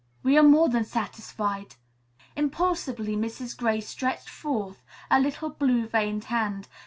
"We are more than satisfied." Impulsively Mrs. Gray stretched forth a little blue veined hand.